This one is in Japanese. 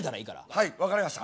はい分かりました。